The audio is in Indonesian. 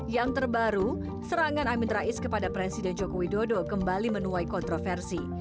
yang terbaru serangan amin rais kepada presiden joko widodo kembali menuai kontroversi